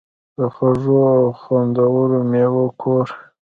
د خوږو او خوندورو میوو کور.